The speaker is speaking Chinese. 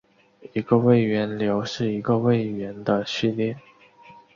一个位元流是一个位元的序列。